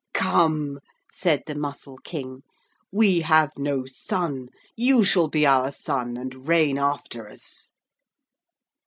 'Come,' said the Mussel King, 'we have no son. You shall be our son and reign after us.'